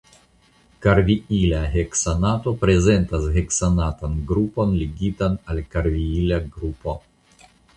Karviila heksanato prezentas heksanatan grupon ligitan al karviila grupo.